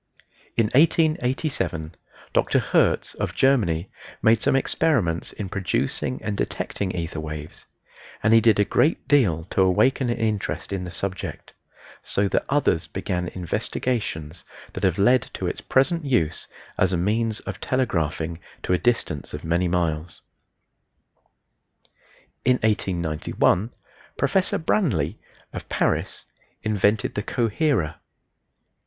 In 1887 Dr. Hertz of Germany made some experiments in producing and detecting ether waves, and he did a great deal to awaken an interest in the subject, so that others began investigations that have led to its present use as a means of telegraphing to a distance of many miles. In 1891 Professor Branly of Paris invented the coherer.